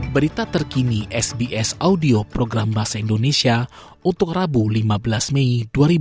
berita terkini sbs audio program bahasa indonesia untuk rabu lima belas mei dua ribu dua puluh